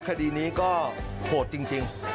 คดีนี้ก็โหดจริง